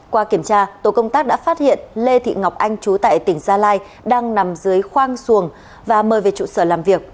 qua kiểm tra tổ công tác đã phát hiện lê thị ngọc anh chú tại tỉnh gia lai đang nằm dưới khoang xuồng và mời về trụ sở làm việc